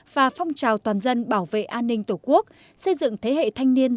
và phong trào toàn dân bảo vệ an ninh tổ quốc xây dựng thế hệ thanh niên